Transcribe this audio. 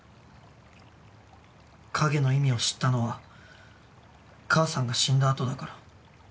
影の意味を知ったのは母さんが死んだ後だから。